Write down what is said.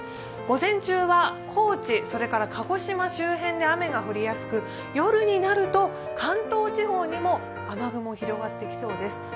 午前中は高知、鹿児島周辺で雨が降りやすく、夜になると関東地方にも雨雲が広がってきそうです。